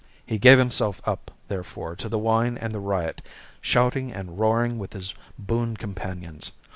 He gave himself up, therefore, to the wine and the riot, shouting and roaring with his boon companions.